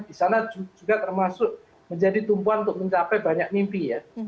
di sana juga termasuk menjadi tumpuan untuk mencapai banyak mimpi ya